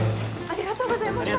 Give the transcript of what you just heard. ありがとうございます。